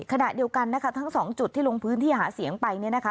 ขณะเดียวกันนะคะทั้งสองจุดที่ลงพื้นที่หาเสียงไปเนี่ยนะคะ